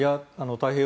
太平洋